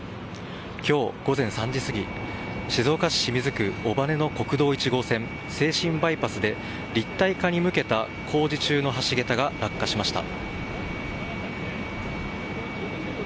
今日午前３時すぎ静岡市清水区尾羽の国道１号線静清バイパスで立体化に向けた工事中の橋げたが落下しました。